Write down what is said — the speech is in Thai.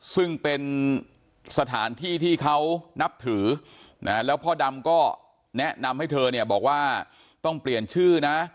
ซึ่งเป็นสถานที่ที่เขานับถือนะแล้วพ่อดำก็แนะนำให้เธอเนี่ยบอกว่าต้องเปลี่ยนชื่อนะ